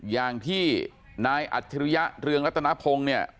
อย่างที่นายอัจฉริยะเรืองรัตนพงศ์เนี่ย